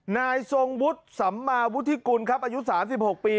นายทรงวุฒิสัมมาวุฒิกุลครับอายุ๓๖ปี